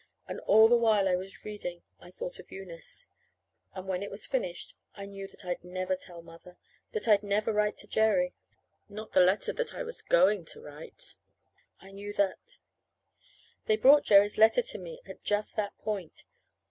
And all the while I was reading I thought of Eunice. And when it was finished I knew that I'd never tell Mother, that I'd never write to Jerry not the letter that I was going to write. I knew that They brought Jerry's letter to me at just that point.